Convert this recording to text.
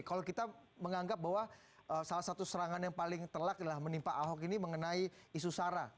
kalau kita menganggap bahwa salah satu serangan yang paling telak adalah menimpa ahok ini mengenai isu sara